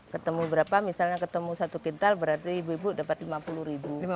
ketemu berapa misalnya ketemu satu kintal berarti ibu ibu dapat lima puluh ribu